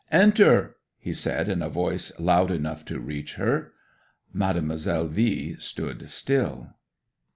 '"Enter!" he said, in a voice loud enough to reach her. 'Mademoiselle V stood still.